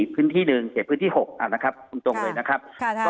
พื้นที่หนึ่งเขตพื้นที่๖นะครับตรงเลยนะครับ